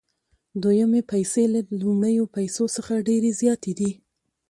دویمې پیسې له لومړیو پیسو څخه ډېرې زیاتې دي